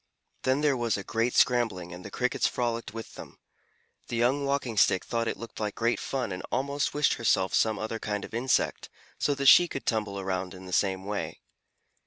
Then there was a great scrambling and the Crickets frolicked with them. The young Walking Stick thought it looked like great fun and almost wished herself some other kind of insect, so that she could tumble around in the same way.